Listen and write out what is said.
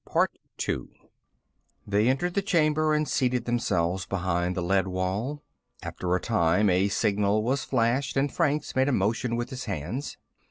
They entered the chamber and seated themselves behind the lead wall. After a time, a signal was flashed, and Franks made a motion with his hands.